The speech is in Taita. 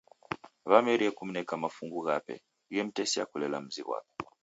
Wamerie kumneka mafungu ghape ghemtesia kulela mzi ghwape.